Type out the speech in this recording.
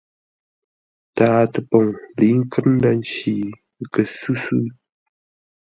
Tǎa-təpoŋ lə̌i nkət ndə̂ nci, kə́ sʉ́ sʉ́.